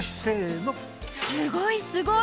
すごい！